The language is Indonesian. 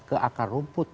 ke akar rumput